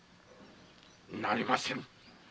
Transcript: なりませぬ！